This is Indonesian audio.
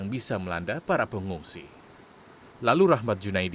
mengingat musim hujan telah tiba dan untuk mengantisipasi merebaknya kemungkinan penyakitnya